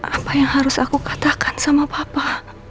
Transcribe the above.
apa yang harus aku katakan sama papa